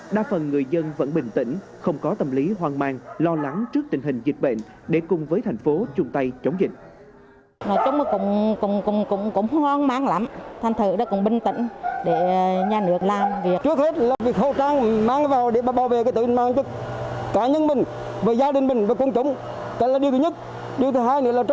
đa phần người dân vẫn bình tĩnh không có tâm lý hoang mang lo lắng trước tình hình dịch bệnh để cùng với thành phố chung tay chống dịch